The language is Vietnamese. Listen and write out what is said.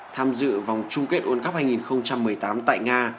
tham dự vòng chung kết world cup hai nghìn một mươi tám tại nga